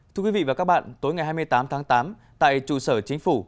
thưa quý vị và các bạn tối ngày hai mươi tám tháng tám tại trụ sở chính phủ